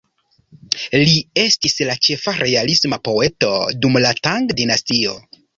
Li estis la ĉefa realisma poeto dum la Tang dinastio.